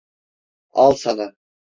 Al sana!